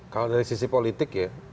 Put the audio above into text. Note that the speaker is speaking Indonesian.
kalau dari sisi politik ya